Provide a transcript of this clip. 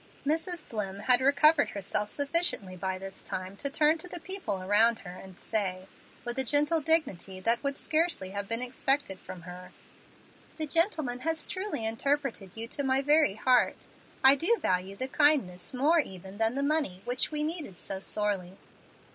Mrs. Dlimm had recovered herself sufficiently by this time to turn to the people around her and say, with a gentle dignity that would scarcely have been expected from her: "The gentleman has truly interpreted to you my very heart. I do value the kindness more even than the money which we needed so sorely.